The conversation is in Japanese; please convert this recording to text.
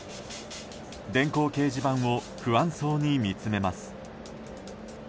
電光掲示板を不安そうに見つめます。